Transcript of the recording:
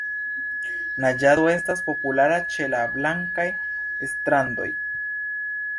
Naĝado estas populara ĉe la blankaj strandoj.